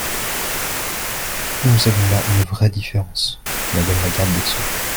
Nous avons là une vraie différence, madame la garde des sceaux.